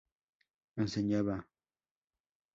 Enseñaba p. ej.